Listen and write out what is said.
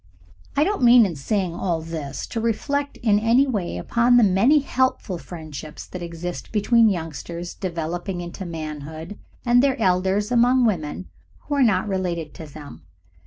I don't mean, in saying all this, to reflect in any way upon the many helpful friendships that exist between youngsters developing into manhood and their elders among women who are not related to them.